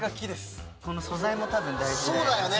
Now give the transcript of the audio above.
この素材も多分大事だよね。